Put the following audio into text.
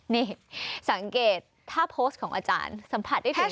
นี่สังเกตถ้าโพสต์ของอาจารย์สัมผัสได้ถึง